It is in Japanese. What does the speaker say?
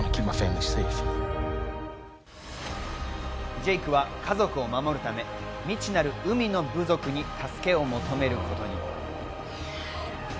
ジェイクは家族を守るため、未知なる海の部族に助けを求めることに。